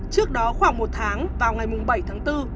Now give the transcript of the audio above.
trước đó khoảng một tháng vào ngày bảy tháng bốn